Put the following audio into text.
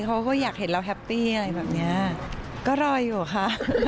เขาก็อยากเห็นเราแฮปปี้อะไรแบบเนี้ยก็รออยู่ค่ะ